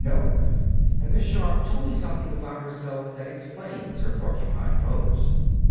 No? And Miss Sharp told me something about herself that explains her porcupine pose.